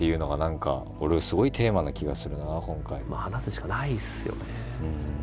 話すしかないですよね。